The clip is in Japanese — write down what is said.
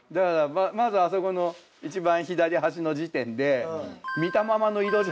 まずあそこの一番左端の時点で。